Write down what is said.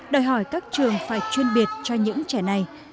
đòi hỏi các trường phải chuyên biệt cho những trẻ này